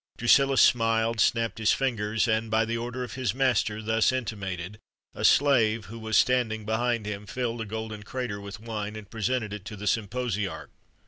Drusillus smiled, snapped his fingers,[XXXV 54] and, by the order of his master, thus intimated, a slave, who was standing behind him, filled a golden crater[C] with wine, and presented it to the symposiarch.